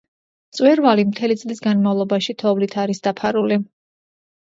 მწვერვალი მთელი წლის განმავლობაში თოვლით არის დაფარული.